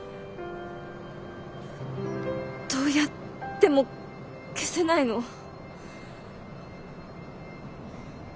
どうやっても消せないの。